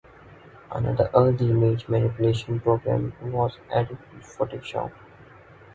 Another early image manipulation program was Adobe Photoshop.